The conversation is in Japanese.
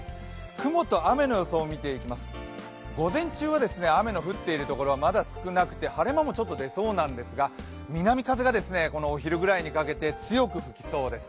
雲と雨の予想、午前中は雨の降っているところ少なくて晴れ間もちょっと出そうなんですが、南風がこのお昼ぐらいにかけて強く吹きそうです。